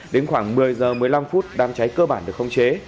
đến khoảng một mươi h một mươi năm phút đám cháy cơ bản được không chế